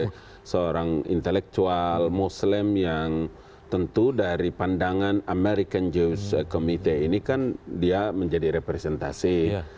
sebagai seorang intelektual muslim yang tentu dari pandangan american use committee ini kan dia menjadi representasi